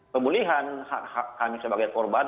pemulihan kami sebagai korban